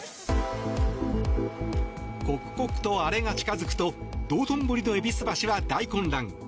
刻々とアレが近づくと道頓堀の戎橋は大混乱。